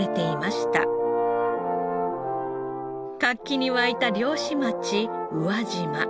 活気に沸いた漁師町宇和島。